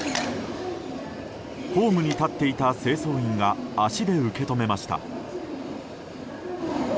ホームに立っていた清掃員が足で受け止めました。